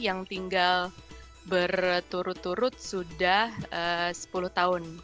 yang tinggal berturut turut sudah sepuluh tahun